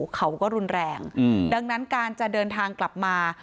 เขาก็รุนแรงดังนั้นการจะเดินทางกลับมา